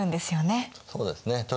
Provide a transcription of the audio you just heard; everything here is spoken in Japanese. そうですね。